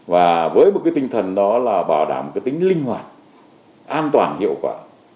và với một cái tinh thần đó là bảo đảm cái tính linh hoạt an toàn hiệu quả